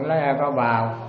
lấy ai có bào